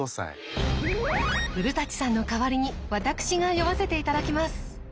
古さんの代わりに私が読ませていただきます。